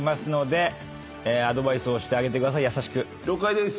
了解です。